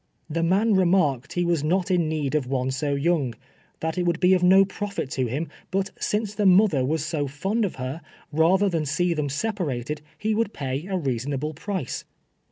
Tlie man remarked he M'as not in need of one so young — that it would be of no profit to him, but since the mother was so fond of her, rather than see them separated, he would pay a reasonable price.